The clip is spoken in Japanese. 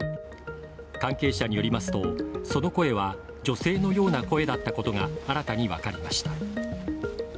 関係者によりますと、その声は女性のような声だったことが新たに分かりました。